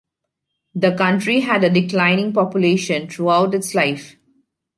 The county had a declining population throughout its life.